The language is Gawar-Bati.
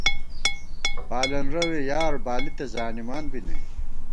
بالَن رَوے یار بالی تہ زانِمان بی نئ